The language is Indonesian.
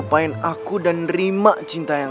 kamu harus kembali sadar